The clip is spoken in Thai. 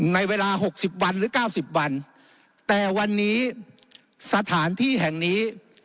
ในเวลาหกสิบวันหรือเก้าสิบวันแต่วันนี้สถานที่แห่งนี้